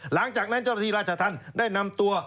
หลังจากนั้นเจ้าตอบีราชธรรมได้นำตัว